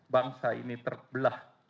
bangsa ini terbelah